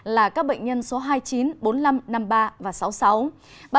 là các bệnh nhân số hai mươi chín bốn mươi năm năm mươi ba và sáu mươi sáu